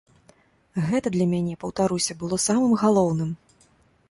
Гэта для мяне, паўтаруся, было самым галоўным.